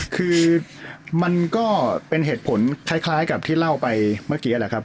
คือมันก็เป็นเหตุผลคล้ายกับที่เล่าไปเมื่อกี้แหละครับ